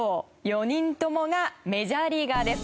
４人ともがメジャーリーガーです。